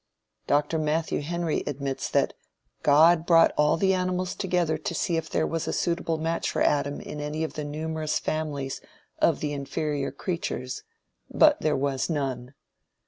Dr. Matthew Henry admits that "God brought all the animals together to see if there was a suitable match for Adam in any of the numerous families of the inferior creatures, but there was none.